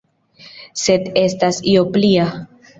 Sed estas io plia.